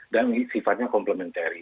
dan sifatnya komplementari